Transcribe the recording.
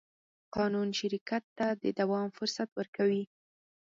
قانون شرکت ته د دوام فرصت ورکوي.